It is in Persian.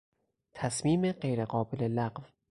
تصمیم غیر قابل لغو